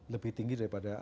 lebih tinggi daripada